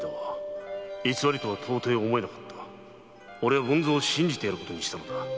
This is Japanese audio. おれは文造を信じてやることにしたんだ。